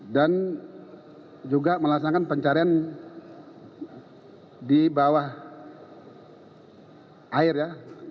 juga melaksanakan pencarian di bawah air ya